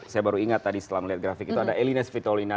saya baru ingat tadi setelah melihat grafik itu ada elina spitolina